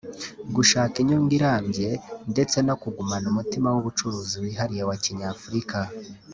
gushaka inyungu irambye ndetse no kugumana umutima w’ ubucuruzi wihariye wa Kinyafurika